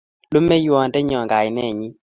Lumeiywondennyo Kainennyi,